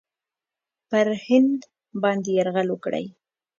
پر هند باندي یرغل وکړي.